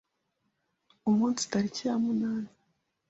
umunsi tariki ya munani.